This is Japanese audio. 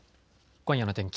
今夜の天気。